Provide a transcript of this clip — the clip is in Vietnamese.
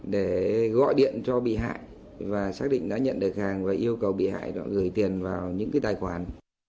để gọi điện cho bị hại và xác định đã nhận được hàng và yêu cầu bị hại gửi tiền vào những tài khoản